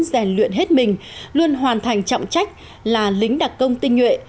rèn luyện hết mình luôn hoàn thành trọng trách là lính đặc công tinh nhuệ